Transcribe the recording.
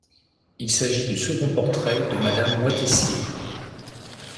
Il s'agit du second portrait de Madame Moitessier.